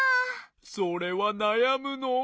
それはなやむのう。